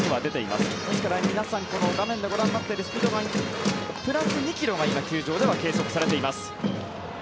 ですから皆さん画面でご覧になっているスピードガンプラス２ｋｍが今、球場では計測されています。